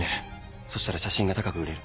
そしたら写真が高く売れる。